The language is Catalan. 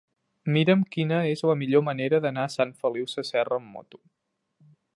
Mira'm quina és la millor manera d'anar a Sant Feliu Sasserra amb moto.